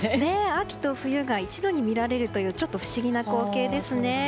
秋と冬が一度に見られるというちょっと不思議な光景ですね。